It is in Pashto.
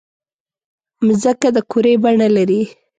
مځکه د کُرې بڼه لري.